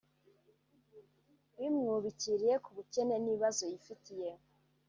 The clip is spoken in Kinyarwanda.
bimwubikiriye ku bukene n’ibibazo yifitiye